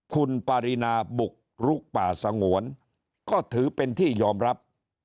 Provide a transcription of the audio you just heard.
คุณปารีนาบุกลุกป่าสงวนก็ถือเป็นที่ยอมรับ